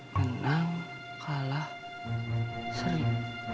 menang kalah seri